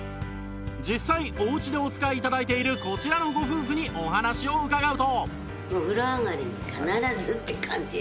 実際お家でお使い頂いているこちらのご夫婦にお話を伺うと